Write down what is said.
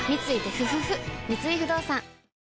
三井不動産